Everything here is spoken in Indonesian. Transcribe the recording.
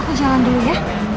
aku jalan dulu ya